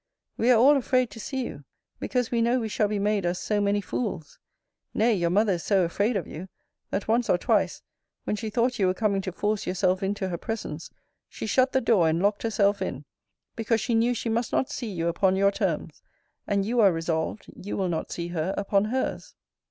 We are all afraid to see you, because we know we shall be made as so many fools. Nay, your mother is so afraid of you, that once or twice, when she thought you were coming to force yourself into her presence, she shut the door, and locked herself in, because she knew she must not see you upon your terms, and you are resolved you will not see her upon hers.